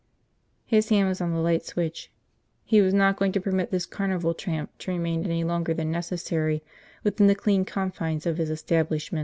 His hand was on the light switch. He was not going to permit this carnival tramp to remain any longer than necessary within the clean confines of his establishment.